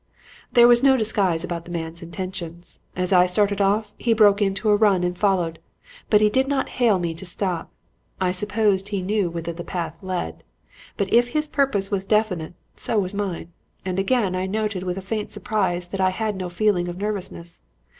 "There was no disguise about the man's intentions. As I started off, he broke into a run and followed, but he did not hail me to stop. I suppose he knew whither the path led. But if his purpose was definite, so was mine. And again I noted with faint surprise that I had no feeling of nervousness.